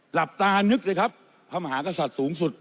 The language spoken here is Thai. หลับตานึกสิครับพระมหากษัตริย์สูงสุด